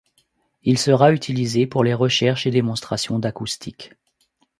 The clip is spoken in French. Il sera utilisé pour les recherches et démonstrations d'acoustique.